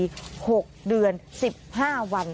จำคุก๒๕ปี๖เดือน๑๕วัน